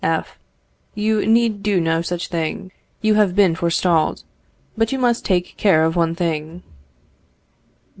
F. You need do no such thing; you have been forestalled. But you must take care of one thing.